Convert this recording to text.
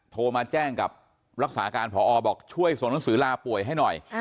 โทรมาแจ้งกับรักษาการพอบอกช่วยส่งหนังสือลาป่วยให้หน่อย